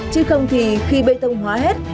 chứ không thì khi bê tông hóa hết